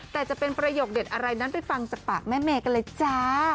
แต่จะเป็นประโยคเด็ดอะไรนั้นไปฟังจากปากแม่เมย์กันเลยจ้า